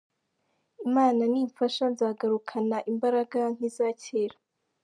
Imana nimfasha nzagarukana imbaraga nk’iza kera.